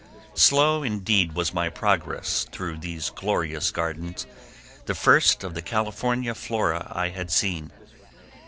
Slow indeed was my progress through these glorious gardens, the first of the California flora I had seen.